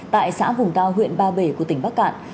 tại xã vùng cao huyện ba bể của tỉnh bắc cạn